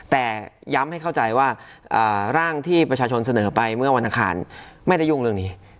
แต่ย้ำให้เข้าใจว่าร่างที่ประชาชนเสนอไปเมื่อวันอังคารไม่ได้ยุ่งเรื่องนี้